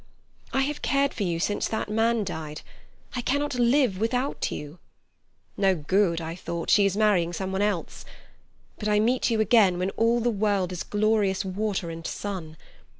I have cared for you since that man died. I cannot live without you, 'No good,' I thought; 'she is marrying someone else'; but I meet you again when all the world is glorious water and sun.